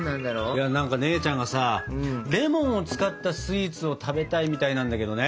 いや何か姉ちゃんがさレモンを使ったスイーツを食べたいみたいなんだけどね。